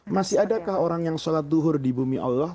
masih adakah orang yang sholat duhur di bumi allah